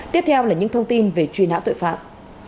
tiếp theo là những thông tin về truy nã tội phạm